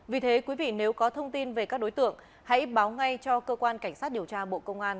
vì thế quý vị nếu có thông tin về các đối tượng hãy báo ngay cho cơ quan cảnh sát điều tra bộ công an